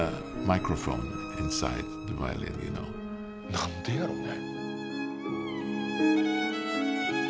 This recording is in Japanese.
何でやろね？